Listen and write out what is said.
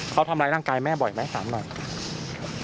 เขาทำร้ายร่างกายแม่บ่อยไหมถามหน่อย